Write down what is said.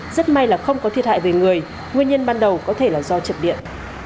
rất may là không có thiệt hại về người nguyên nhân ban đầu có thể là do chập điện